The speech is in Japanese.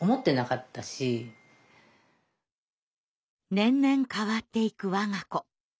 年々変わっていく我が子。